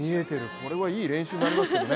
これはいい練習になりますよね。